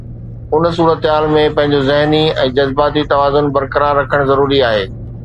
ان صورتحال ۾ پنهنجو ذهني ۽ جذباتي توازن برقرار رکڻ ضروري آهي.